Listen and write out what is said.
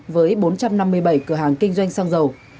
với bốn trăm năm mươi bảy cửa hàng kinh doanh xăng dầu